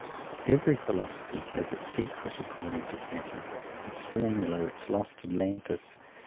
_ Every Philosophy has its "secret," according to Pater, its "formula," its lost Atlantis.